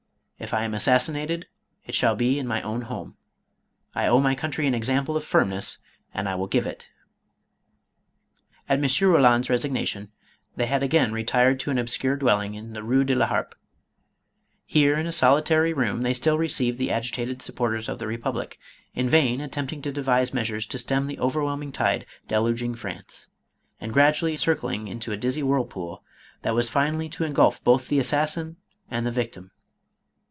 If I am assassinated, it shall be in my own home. I owe my country an example of firmness and I will give it." At M. Roland's resignation, they had again retired to an obscure dwelling in the Rue de la Harpe. Here in a solitary room they still received the agitated sup porters of the Republic, in vain attempting to devise MADAME ROLAND. 509 measures to stern the overwhelming tide deluging France, and gradually circling into a dizzy whirlpool that was finally to engulph both the assassin and the victim.